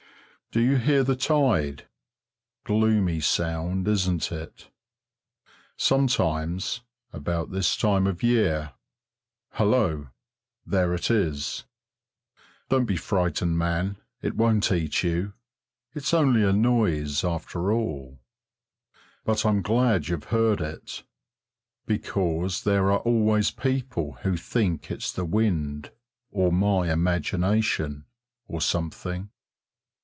Do you hear the tide? Gloomy sound, isn't it? Sometimes, about this time of year hallo! there it is! Don't be frightened, man it won't eat you it's only a noise, after all! But I'm glad you've heard it, because there are always people who think it's the wind, or my imagination, or something.